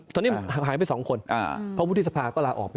ตอนนี้ไหลไป๒คนเหาหมู่ที่สภาก็ระอบออกไป๑